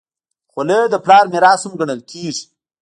خولۍ د پلار میراث هم ګڼل کېږي.